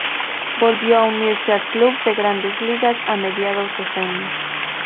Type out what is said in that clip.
Volvió a unirse al club de Grandes Ligas a mediados de junio.